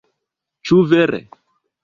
Ĉu vere?"